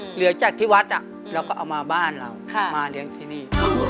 เหลือจากที่วัดเราก็เอามาบ้านเรามาเลี้ยงที่นี่